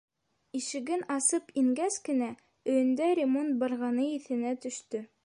Ишеген асып ингәс кенә өйөндә ремонт барғаны иҫенә төштө.